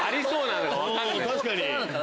確かに。